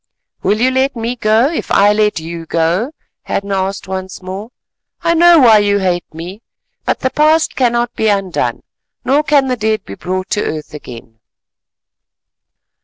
"Will you let me go, if I let you go?" Hadden asked once more. "I know why you hate me, but the past cannot be undone, nor can the dead be brought to earth again."